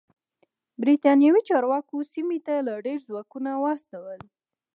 برېتانوي چارواکو سیمې ته لا ډېر ځواکونه واستول.